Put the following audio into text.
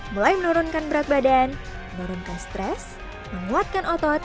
mulai menurunkan berat badan menurunkan stres menguatkan otot